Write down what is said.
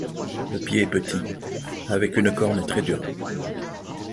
Le pied est petit, avec une corne très dure.